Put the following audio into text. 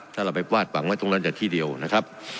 ถ้าเราไปวาดหวังไว้ตรงนั้นจากที่เดียวนะครับ